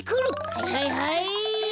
はいはいはい！